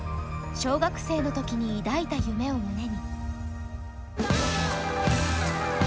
小学生のときに抱いた夢を胸に。